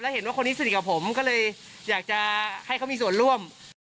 เห็นว่าคนนี้สนิทกับผมก็เลยอยากจะให้เขามีส่วนร่วม